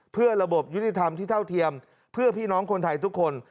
เพื่อระบบยุติธรรมที่เท่าเทียมเพื่อพี่น้องคนไทยทุกคน